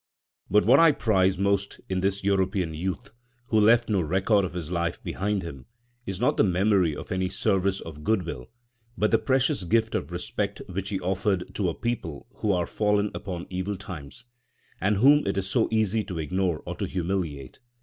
But what I prize most in this European youth, who left no record of his life behind him, is not the memory of any service of goodwill, but the precious gift of respect which he offered to a people who are fallen upon evil times, and whom it is so easy to ignore or to humiliate.